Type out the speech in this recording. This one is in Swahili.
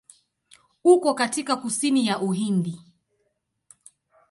Uko katika kusini ya Uhindi.